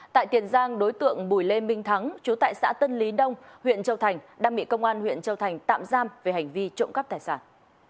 tại tiền giang đối tượng bùi lê minh thắng chú tại xã tân lý đông huyện châu thành đang bị công an huyện châu thành tạm giam về hành vi trộm cắp tài sản